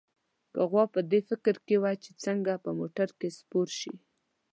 غوا په دې فکر کې وه چې څنګه په موټر کې سپور شي.